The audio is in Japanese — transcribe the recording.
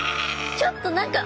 ちょっと何か。